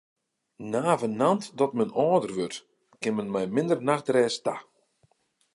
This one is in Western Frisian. Navenant dat men âlder wurdt, kin men mei minder nachtrêst ta.